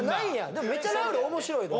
でもめっちゃラウール面白い。